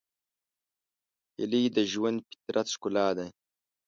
هیلۍ د ژوندي فطرت ښکلا ده